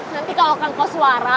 nanti kalau akang koswara